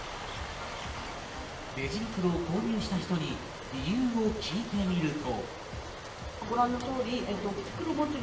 レジ袋を購入した人に理由を聞いてみると。